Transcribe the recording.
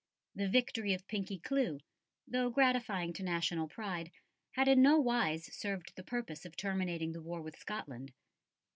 The victory of Pinkie Cleugh, though gratifying to national pride, had in nowise served the purpose of terminating the war with Scotland.